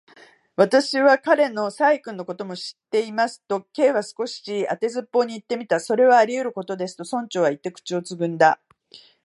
「私は彼の細君のことも知っています」と、Ｋ は少し当てずっぽうにいってみた。「それはありうることです」と、村長はいって、口をつぐんだ。